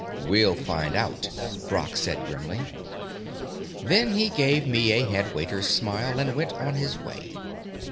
"We'll find out," Brock said grimly. Then he gave me a headwaiter's smile and went on his way.